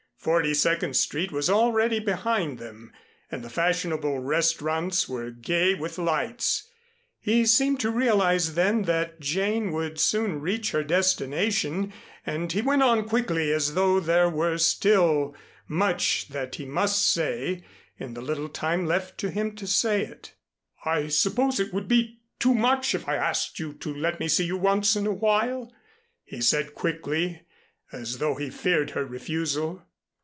Forty second Street was already behind them, and the fashionable restaurants were gay with lights. He seemed to realize then that Jane would soon reach her destination, and he went on quickly, as though there were still much that he must say in the little time left to him to say it in. "I suppose it would be too much if I asked you to let me see you once in a while," he said quickly, as though he feared her refusal.